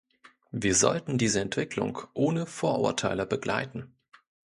Wir sollten diese Entwicklung ohne Vorurteile begleiten.